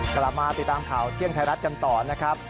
กลับมาติดตามข่าวเที่ยงไทยรัฐกันต่อนะครับ